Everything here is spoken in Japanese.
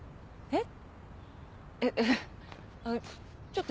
えっ！